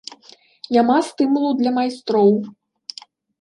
Няма стымулу для майстроў.